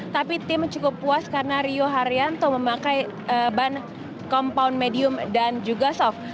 tapi tim cukup puas karena rio haryanto memakai ban compound medium dan juga soft